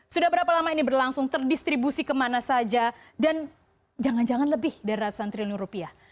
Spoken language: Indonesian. sudah berapa lama ini berlangsung terdistribusi kemana saja dan jangan jangan lebih dari ratusan triliun rupiah